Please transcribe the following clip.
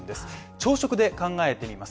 朝食で考えてみます。